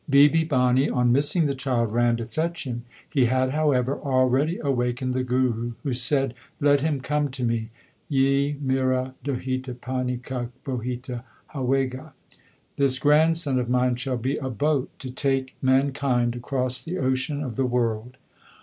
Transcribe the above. Bibi Bhani on missing the child ran to fetch him. He had, however, already awakened the Guru, who said, Let him come to me ; yih mera dohita pani ka bohita howega this grandson of mine shall be a boat to take man kind across the ocean of the world.